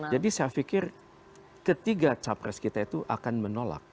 jadi saya pikir ketiga capres kita itu akan menolak